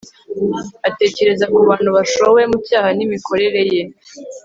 atekereza ku bantu bashowe mu cyaha n'imikorere ye